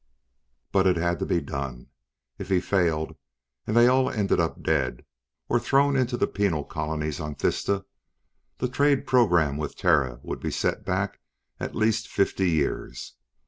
But it had to be done. If he failed, and they all ended up dead, or thrown into the penal colonies on Thista, the trade program with Terra would be set back at least fifty years.